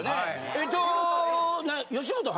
えっと。